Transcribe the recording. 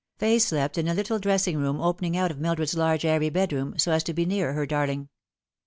Fay slept in a little dressing room opening out of Mildred's large airy bedroom, so as to be near her darling.